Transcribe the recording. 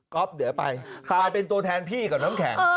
ก็เดี๋ยวไปเป็นตัวแทนพี่กับน้ำแข็ง